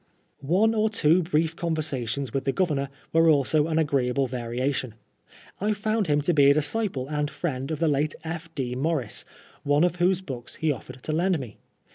One or two brief converaations with the Governor were also an agreeable variation. I found him to be a disciple and Mend of the late F. D. Maurice, one of whose books he offered to lend me.